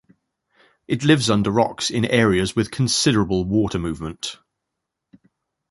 It lives under rocks in areas with considerable water movement.